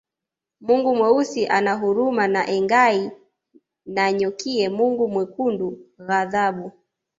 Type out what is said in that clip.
Mungu Mweusi ana huruma na Engai Nanyokie Mungu Mwekundu ghadhabu